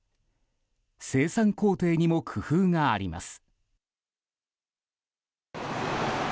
生産工程にも工夫があります。